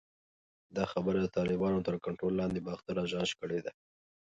دا خبره د طالبانو تر کنټرول لاندې باختر اژانس کړې ده